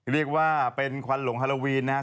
เรียกว่าเป็นควันหลงฮาโลวีนนะครับ